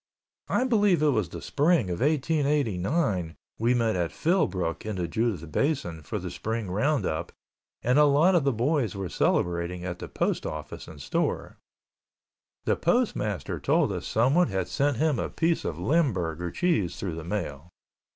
I believe it was the Spring of 1889 we met at Philbrook in the Judith Basin for the Spring roundup and a lot of the boys were celebrating at the Post Office and store. The postmaster told us someone had sent him a piece of limburger cheese through the mail.